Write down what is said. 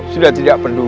sudah tidak peduli